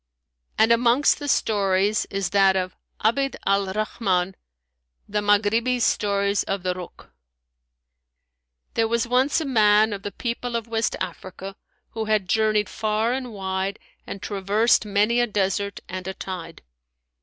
[FN#175] And amongst the stories is that of ABD AL RAHMAN THE MAGHRIBI'S STORY OF THE RUKH.[FN#176] There was once a man of the people of West Africa who had journeyed far and wide and traversed many a desert and a tide.